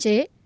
đặc biệt là